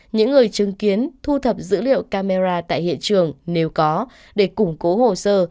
những người chứng kiến thu thập dữ liệu camera tại hiện trường nếu có để củng cố hồ sơ